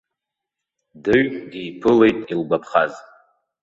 Дыҩ диԥылеит илгәаԥхаз.